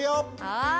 はい！